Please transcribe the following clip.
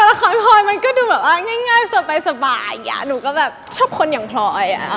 ตัวละครพรมันก็ดูแบบเงี้ยงสบายอีกอ่ะหนูก็แบบชอบคนอย่างพรอยอ่ะ